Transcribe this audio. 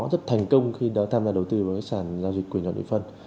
rất thành công khi đã tham gia đầu tư vào các sản giao dịch quyền đoạn địa phân